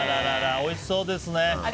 おいしそうですね。